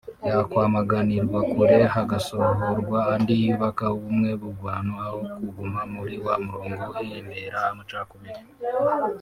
yakwamaganirwa kure hagasohorwa andi yubaka ubumwe mu bantu aho ku guma muri wa murongo uhembera amacakubiri